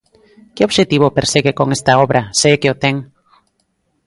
Que obxectivo persegue con esta obra, se é que o ten?